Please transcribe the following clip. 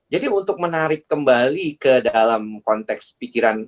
untuk menarik kembali ke dalam konteks pikiran